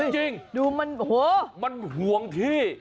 จริงดูมันโหมันห่วงที่